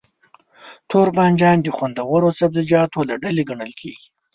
توربانجان د خوندورو سبزيجاتو له ډلې ګڼل کېږي.